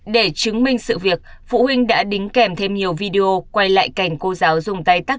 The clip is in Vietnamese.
để chứng minh sự việc phụ huynh đã đính kèm thêm nhiều video quay lại cảnh cô giáo dùng tay